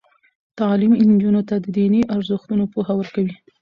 تعلیم نجونو ته د دیني ارزښتونو پوهه ورکوي.